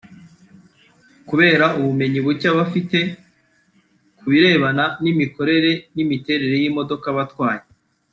kubera ubumenyi bucye aba afite kubirebana n’imikorere n’imiterere y’imodoka aba atwaye